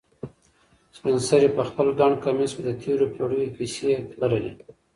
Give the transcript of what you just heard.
سپین سرې په خپل ګڼ کمیس کې د تېرو پېړیو کیسې لرلې.